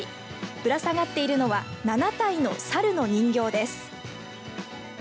ぶら下がっているのは７体の猿の人形です。